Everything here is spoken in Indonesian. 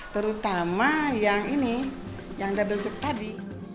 terutama yang ini yang double job tadi